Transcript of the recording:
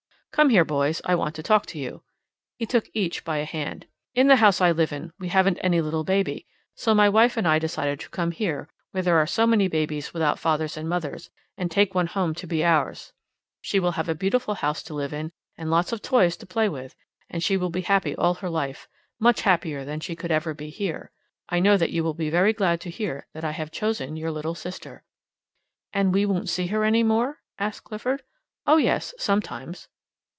"Come here, boys. I want to talk to you." He took each by a hand. "In the house I live in we haven't any little baby, so my wife and I decided to come here, where there are so many babies without fathers and mothers, and take one home to be ours. She will have a beautiful house to live in, and lots of toys to play with, and she will be happy all her life much happier than she could ever be here. I know that you will be very glad to hear that I have chosen your little sister." "And won't we ever see her any more?" asked Clifford. "Oh, yes, sometimes."